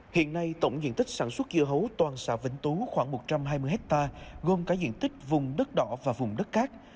hiện nay tổng diện tích sản xuất dưa hấu toàn xã vĩnh tú khoảng một trăm hai mươi hectare gồm cả diện tích vùng đất đỏ và vùng đất cát